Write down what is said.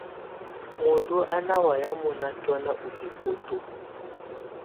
Muǝndù á ná wayɛ̀ mɔnà tɔ̀́na ù hikoto.